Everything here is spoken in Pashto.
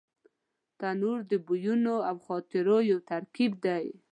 تنور د بویونو او خاطرو یو ترکیب دی